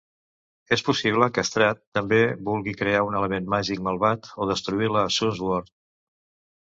És possible que Strahd també vulgui crear un element màgic malvat o destruir la Sunsword.